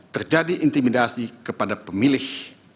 terjadi intimidasi kepada pemilih